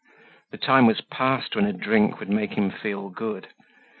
The time was past when a drink would make him feel good.